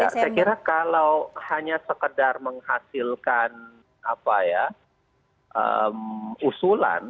ya saya kira kalau hanya sekedar menghasilkan usulan